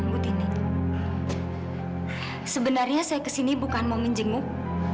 bu tini sebenarnya saya kesini bukan mau menjenguk